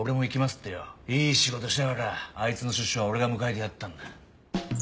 いい仕事したからあいつの出所は俺が迎えてやったんだ。